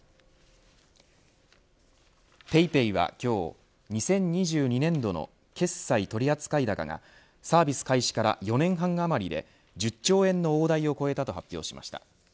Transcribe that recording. ＰａｙＰａｙは今日２０２２年度の決済取扱高がサービス開始から４年半余りで１０兆円の大台を超えたと発表しました。